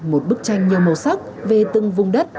một bức tranh nhiều màu sắc về từng vùng đất